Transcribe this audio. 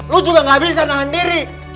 lo juga gak bisa nahan diri